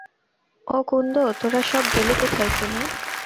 ও কুন্দ, তোরা সব গেলি কোথায় শুনি?